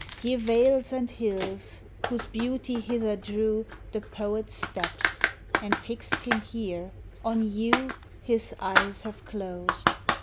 Ye vales and hills whose beauty hither drew The poet's steps, and fixed him here, on you, His eyes have closed